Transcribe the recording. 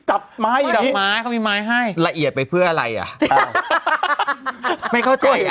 จับไม้อยู่ดอกไม้เขามีไม้ให้ละเอียดไปเพื่ออะไรอ่ะใช่ไม่เข้าใจอ่ะ